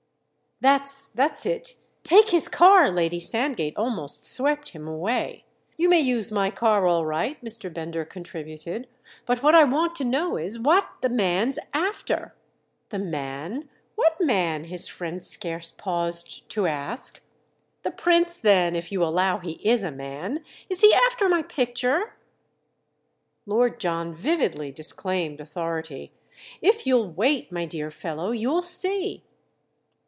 "That's, that's it, take his car!"—Lady Sandgate almost swept him away. "You may use my car all right," Mr. Bender contributed—"but what I want to know is what the man's after." "The man? what man?" his friend scarce paused to ask. "The Prince then—if you allow he is a man! Is he after my picture?" Lord John vividly disclaimed authority. "If you'll wait, my dear fellow, you'll see."